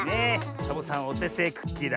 サボさんおてせいクッキーだ。